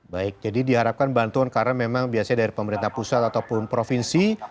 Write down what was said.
baik jadi diharapkan bantuan karena memang biasanya dari pemerintah pusat ataupun provinsi